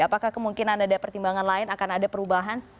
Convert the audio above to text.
apakah kemungkinan ada pertimbangan lain akan ada perubahan